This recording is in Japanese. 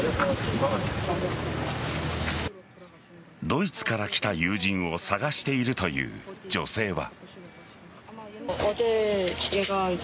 ドイツから来た友人を捜しているという女性は。